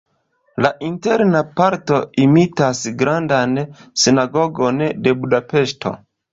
La interna parto imitas Grandan Sinagogon de Budapeŝto.